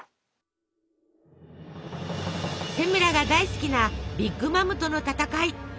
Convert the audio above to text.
セムラが大好きなビッグ・マムとの戦い。